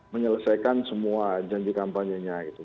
menyelesaikan semua janji kampanyenya